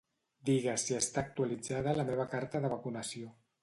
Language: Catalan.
Digues si està actualitzada la meva la carta de vacunació.